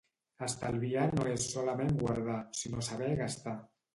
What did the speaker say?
Estalviar no és solament guardar, sinó saber gastar.